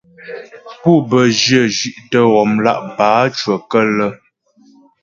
Pû bə́ dyə̂ zhí'tə ghɔmlá' bǎcyəkə́lə́.